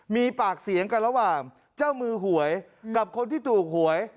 มีปากเสียงกันระหว่างเจ้ามือหวยกับคนที่ถูกหวย